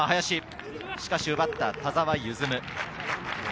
しかし奪った、田澤夢積。